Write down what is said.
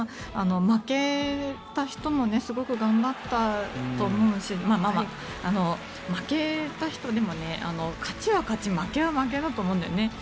負けた人もすごく頑張ったと思うし負けた人でも勝ちは勝ち負けは負けだと思うんだよね。